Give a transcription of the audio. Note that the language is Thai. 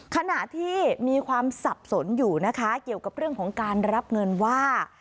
ขณะที่มีความสับสนอยู่นะคะเกี่ยวกับเรื่องของการรับเงินว่า